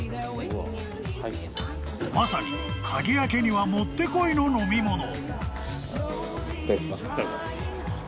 ［まさに鍵開けにはもってこいの飲み物］